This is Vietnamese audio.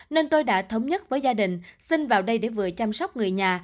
nên tôi đã thống nhất với gia đình xin vào đây để vừa chăm sóc người nhà